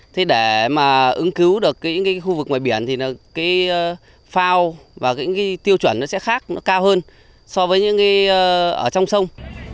thế để mà ứng cứu được những khu vực ngoài biển thì phao và những tiêu chuẩn nó sẽ khác nó cao hơn so với những ở trong sông